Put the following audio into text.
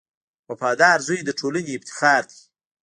• وفادار زوی د ټولنې افتخار دی.